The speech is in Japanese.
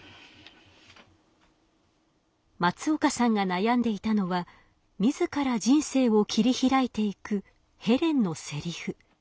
松岡さんが悩んでいたのは自ら人生を切り開いていくヘレンのセリフ。